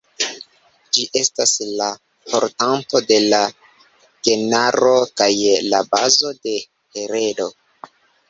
Ĝi estas la portanto de la genaro kaj la bazo de heredo.